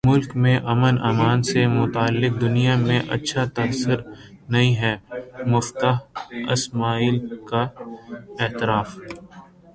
ملک میں امن امان سے متعلق دنیا میں اچھا تاثر نہیں ہے مفتاح اسماعیل کا اعتراف